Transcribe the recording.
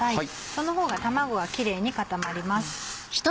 そのほうが卵がキレイに固まります。